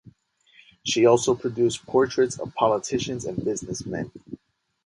She also produced portraits of politicians and businessmen.